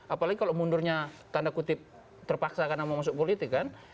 apalagi kalau mundurnya tanda kutip terpaksa karena mau masuk politik kan